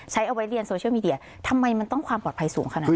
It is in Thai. เอาไว้เรียนโซเชียลมีเดียทำไมมันต้องความปลอดภัยสูงขนาดนั้น